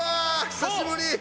久しぶり。